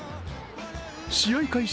試合開始